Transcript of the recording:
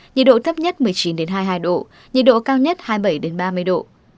nhiệt độ thấp nhất một mươi chín hai mươi hai độ nhiệt độ cao nhất hai mươi bảy ba mươi độ